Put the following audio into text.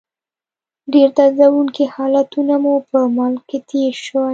ډېر دردونکي حالتونه مو په ملک کې تېر شوي.